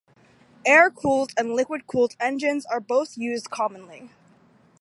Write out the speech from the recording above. Air-cooled and liquid-cooled engines are both used commonly.